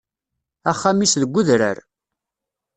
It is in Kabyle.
Axxam-is deg udrar.